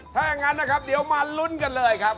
ถ้าอย่างนั้นนะครับเดี๋ยวมาลุ้นกันเลยครับ